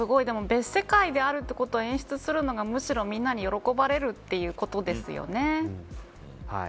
別世界であるということを演出するのがむしろ、みんなに喜ばれるということですよね。